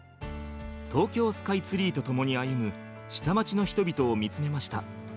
東京スカイツリーとともに歩む下町の人々を見つめました。